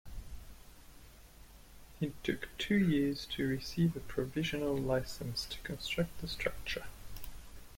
It took two years to receive a provisional license to construct the structure.